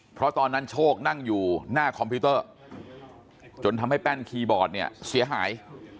เพราะตอนนั้นโชคนั่งอยู่หน้าคอมพิวเตอร์จนทำให้แป้นคีย์บอร์ดเนี่ยเสียหาย